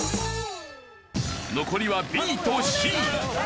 残りはＢとＣ。